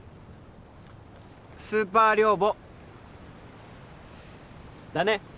スーパー寮母だね